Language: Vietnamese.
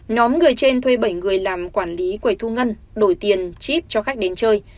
nhóm người trên thuê bảy người làm quản lý quầy thu ngân đổi tiền chip cho khách đến chơi